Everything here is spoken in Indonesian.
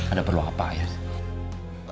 ada perlu apa ayah